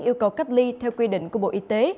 yêu cầu cách ly theo quy định của bộ y tế